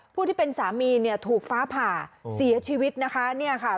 ผู้ที่เป็นสามีเนี่ยถูกฟ้าผ่าเสียชีวิตนะคะเนี่ยค่ะ